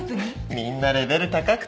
みんなレベル高くて。